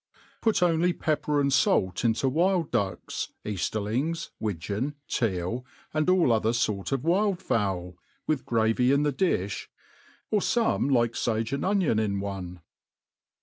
Put only pepper apd fait into wild ducks, eaft^rliilgSy wi geon, teal, and all other Tort of wild fow)> with gravy in the lifli, or fooie like fage and onion in one.